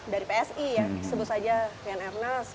dari psi ya sebut saja rian ernest